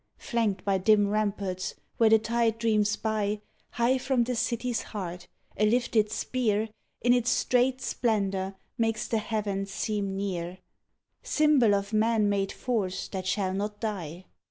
Flanked by dim ramparts, where the tide dreams by, High from the city's heart, a lifted spear, In its straight splendour makes the heavens seem near, Symbol of man made force that shall not die.